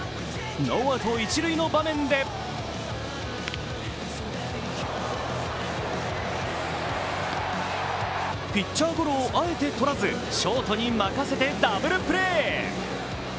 ノーアウト一塁の場面でピッチャーゴロをあえてとらずショートに任せてダブルプレー。